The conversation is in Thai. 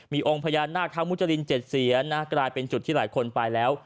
มีองค์พญานาคทั้งมุจริน๗เสียนนะกลายเป็นจุดที่หลายคนไปแล้ว